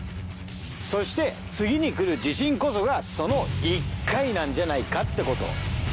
そして次にくる地震こそがその１回なんじゃないかってこと。